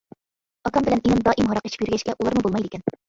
ئاكام بىلەن ئىنىم دائىم ھاراق ئىچىپ يۈرگەچكە ئۇلارمۇ بولمايدىكەن.